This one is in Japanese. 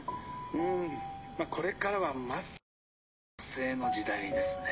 「うん。これからはまさに女性の時代ですね。